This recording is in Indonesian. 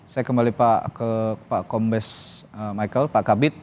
saya kembali ke pak kombes michael pak kabit